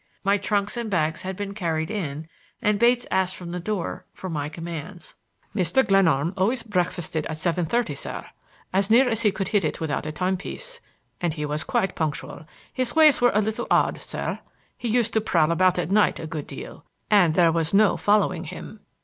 My trunks and bags had been carried in, and Bates asked from the door for my commands. "Mr. Glenarm always breakfasted at seven thirty, sir, as near as he could hit it without a timepiece, and he was quite punctual. His ways were a little odd, sir. He used to prowl about at night a good deal, and there was no following him."